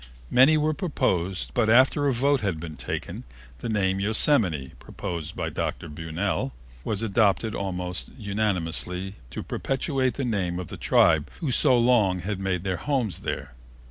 Many were proposed, but after a vote had been taken the name Yosemite, proposed by Dr. Bunell, was adopted almost unanimously to perpetuate the name of the tribe who so long had made their home there.